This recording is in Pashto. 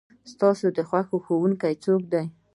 ستا د خوښې ښوونکي څوک دی؟